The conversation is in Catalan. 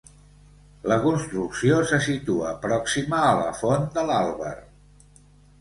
La construcció se situa pròxima a la font de l'Àlber.